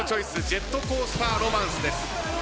『ジェットコースター・ロマンス』です。